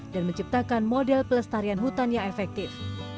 dan menciptakan model pelestarian hutan yang efektif